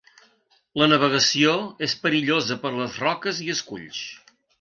La navegació és perillosa per les roques i esculls.